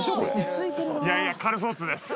いやいやカルソッツです！